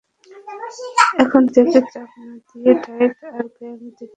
এখন থেকে, চাপ না নিয়ে ডায়েট আর ব্যায়ামের দিকে মনোনিবেশ করুন।